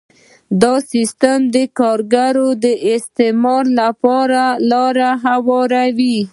دا سیستم د کارګر د استثمار لپاره لاره هواروي